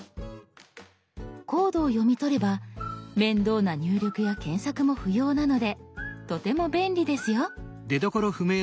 コードを読み取れば面倒な入力や検索も不要なのでとても便利ですよ。